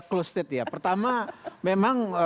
close state ya pertama memang